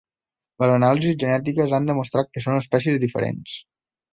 Les anàlisis genètiques han demostrat que són espècies diferents.